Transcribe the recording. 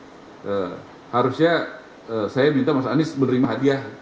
harusnya saya minta mas anies menerima hadiah